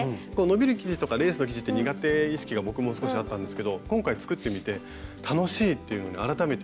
伸びる生地とかレースの生地って苦手意識が僕も少しあったんですけど今回作ってみて楽しいっていうのに改めて気が付きました。